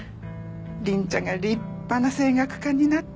凛ちゃんが立派な声楽家になって。